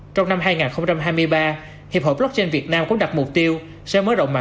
trong năm hai nghìn hai mươi ba hiệp hội blockchain việt nam cũng đặt mục tiêu sẽ mở rộng mạng lưới chủ yếu